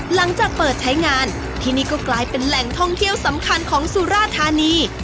หลังจากเปิดใช้งานที่นี่ก็กลายเป็นแหล่งท่องเที่ยวสำคัญของสุราธานี